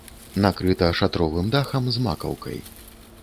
Накрыта шатровым дахам з макаўкай.